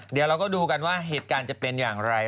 เดี๋ยวเราก็ดูกันว่าเหตุการณ์จะเป็นอย่างไร